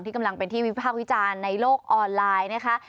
กำลังเป็นที่วิพากษ์วิจารณ์ในโลกออนไลน์นะคะ